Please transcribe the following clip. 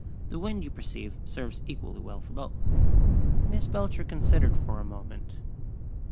The wind, you perceive, serves equally well for both." Miss Belcher considered for a moment.